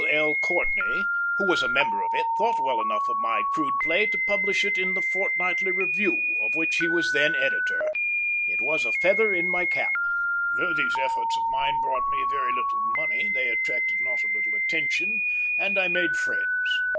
L. Courtney, who was a member of it, thought well enough of my crude play to publish it in The Fortnightly Review, of which he was then editor. It was a feather in my cap. Though these efforts of mine brought me very little money, they attracted not a little attention, and I made friends.